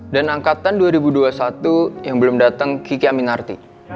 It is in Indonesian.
dan angkatan dua ribu dua puluh satu yang belum datang kiki aminarti